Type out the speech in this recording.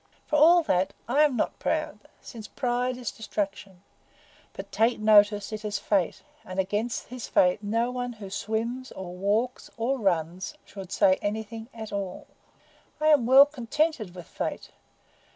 For all that, I am not proud, since pride is destruction; but take notice, it is Fate, and against his Fate no one who swims or walks or runs should say anything at all. I am well contented with Fate.